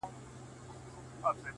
راسره جانانه ستا بلا واخلم ـ